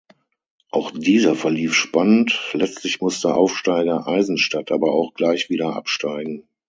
Auch dieser verlief spannend, letztlich musste Aufsteiger Eisenstadt aber auch gleich wieder absteigen.